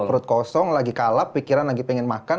perut kosong lagi kalap pikiran lagi pengen makan